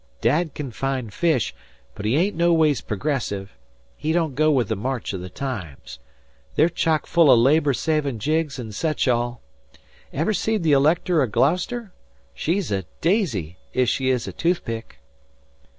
Dad can find fish, but he ain't no ways progressive he don't go with the march o' the times. They're chock full o' labour savin' jigs an' sech all. 'Ever seed the Elector o' Gloucester? She's a daisy, ef she is a toothpick."